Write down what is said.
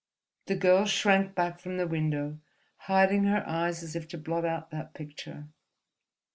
The girl shrank back from the window, hiding her eyes as if to blot out that picture.